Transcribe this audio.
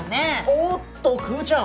おっとくーちゃん。